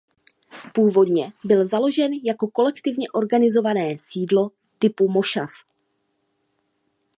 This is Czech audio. Původně byl založen jako kolektivně organizované sídlo typu mošav.